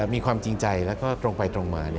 มีความจริงใจแล้วก็ตรงไปตรงมา